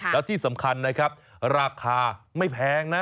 แล้วที่สำคัญนะครับราคาไม่แพงนะ